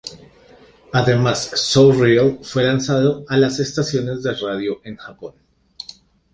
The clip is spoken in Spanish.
Además, "So Real" fue lanzado a las estaciones de radio en Japón.